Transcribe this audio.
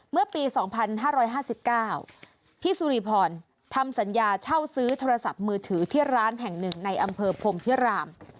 เมื่อปี๒๕๕๙พี่สุริพรทำสัญญาเช่าซื้อโทรศัพท์มือถือที่ร้านแห่งหนึ่งในอำเภอพรมพิราม